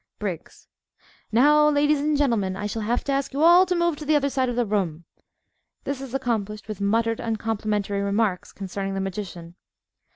_) BRIGGS Now, ladies and gentlemen, I shall have to ask you all to move to the other side of the room. (_This is accomplished with muttered uncomplimentary remarks concerning the magician.